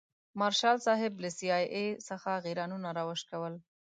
مارشال صاحب له سي آی اې څخه غیرانونه راوشکول.